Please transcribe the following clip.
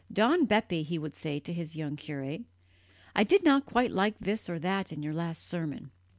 "Don Bepi," he would say to his young curate, "I did not quite like this or that in your last sermon."